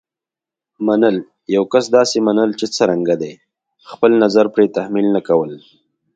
منل: یو کس داسې منل چې څرنګه دی. خپل نظر پرې تحمیل نه کول.